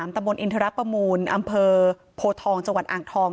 ตรอินทฤล้าประมูลอำเภอโพทองจอังทอง